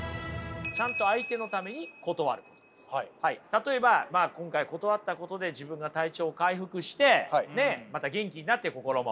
例えば今回断ったことで自分が体調を回復してまた元気になって心も。